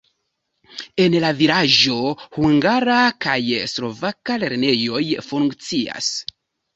En la vilaĝo hungara kaj slovaka lernejoj funkcias.